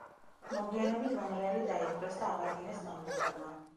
მოგვიანებით მონრეალი დაიპყრეს და აღადგინეს მამლუქებმა.